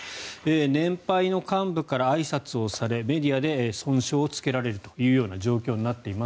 年配の幹部からあいさつされメディアで尊称をつけられるという状況になっています。